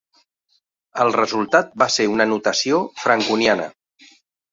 El resultat va ser una notació franconiana.